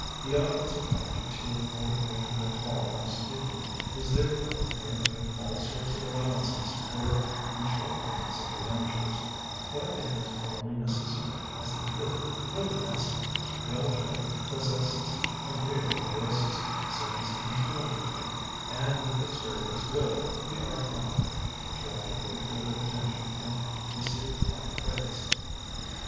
"The audience attracted to Horticultural Hall last evening was therefore prepared to make all sorts of allowances for the shortcomings of the amateurs; but it was hardly necessary, as the troupe really excellent, well trained possesses agreeable voices, sings intelligently, and with experience will, we are confident, attract a great deal of attention, and receive high praise.